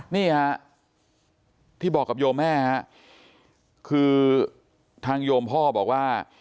นี่ฮะที่บอกกับโยมแม่ฮะคือทางโยมพ่อบอกว่า